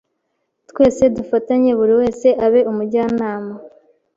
twese dufatanye buri wese abe umujyanama